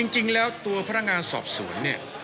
จริงแล้วตัวพนักงานสอบสวน